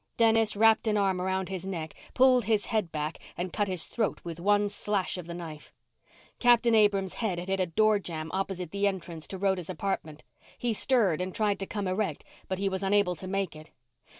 Dennis wrapped an arm around his neck, pulled his head back and cut his throat with one slash of the knife. Captain Abrams' head had hit a doorjamb opposite the entrance to Rhoda's apartment. He stirred and tried to come erect but he was unable to make it.